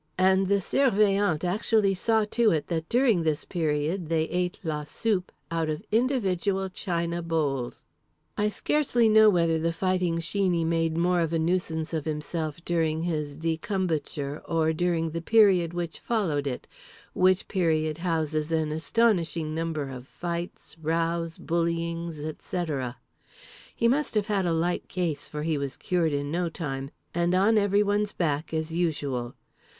And the Surveillant actually saw to it that during this period they ate la soupe out of individual china bowls. I scarcely know whether The Fighting Sheeney made more of a nuisance of himself during his decumbiture or during the period which followed it—which period houses an astonishing number of fights, rows, bullyings, etc. He must have had a light case for he was cured in no time, and on everyone's back as usual.